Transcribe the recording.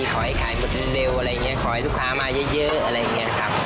ขอให้ขายหมดเร็วอะไรอย่างนี้ขอให้ลูกค้ามาเยอะอะไรอย่างนี้ครับ